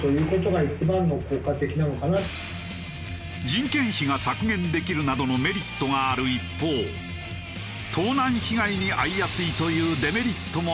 人件費が削減できるなどのメリットがある一方盗難被害に遭いやすいというデメリットもある無人販売店。